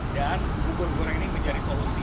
dan bubur goreng ini menjadi solusi